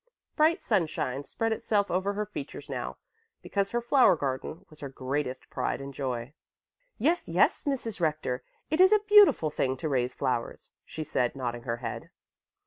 Bright sunshine spread itself over her features now, because her flower garden was her greatest pride and joy. "Yes, yes, Mrs. Rector, it is a beautiful thing to raise flowers," she said, nodding her head.